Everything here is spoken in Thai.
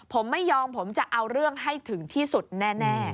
ผมไม่ยอมผมจะเอาเรื่องให้ถึงที่สุดแน่